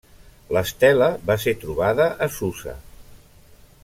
L'estela va ser trobada a Susa.